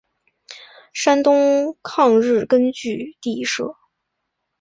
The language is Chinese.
山东抗日根据地设。